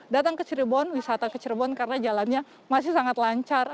datang ke cirebon wisata ke cirebon karena jalannya masih sangat lancar